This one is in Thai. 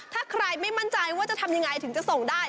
ถ้าใครไม่มั่นใจว่าจะทำยังไงถึงจะส่งได้